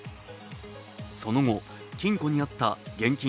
その後、金庫にあった現金